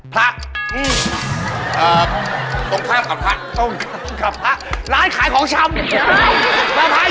พระอืมเอ่อตรงข้ามกับพระตรงข้ามกับพระร้านขายของชำพระพระยืนแหละ